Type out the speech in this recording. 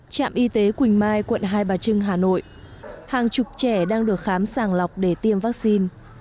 trạm y tế quỳnh mai quận hai bà trưng hà nội hàng chục trẻ đang được khám sàng lọc để tiêm vaccine